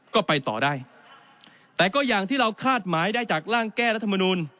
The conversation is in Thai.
ก็ไปต่อได้แต่ก็อย่างที่เราคาดหมายได้จากร่างแก้รัฐมนูล